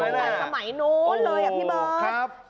เห็นไหมนู้นเลยอ่ะพี่บอส